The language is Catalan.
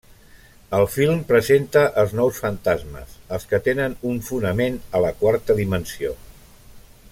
El film presenta els nous fantasmes: els que tenen un fonament a la quarta dimensió.